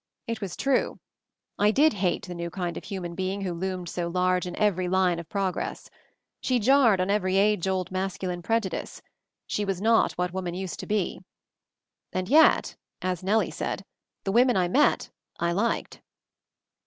It was true. I did hate the new kind of human being who loomed so large in every line of progress. She jarred on every age old mas culine prejudice — she was not what woman used to be. And yet — as Nellie said — the women I met I liked.